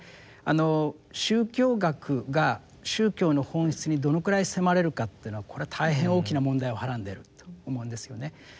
宗教学が宗教の本質にどのくらい迫れるかっていうのはこれ大変大きな問題をはらんでいると思うんですよね。